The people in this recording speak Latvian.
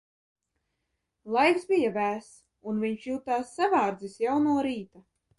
Laiks bija vēss, un viņš jutās savārdzis jau no rīta.